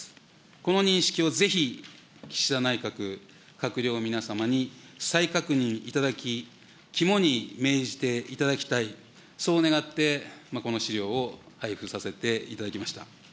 この認識をぜひ岸田内閣閣僚皆様に再確認いただき、肝に銘じていただきたい、そう願って、この資料を配付させていただきました。